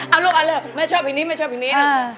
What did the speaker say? เอาอลูกอันเร็ว